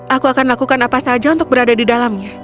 aku akan lakukan apa saja untuk berada di dalamnya